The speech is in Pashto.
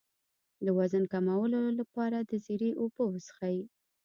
د وزن د کمولو لپاره د زیرې اوبه وڅښئ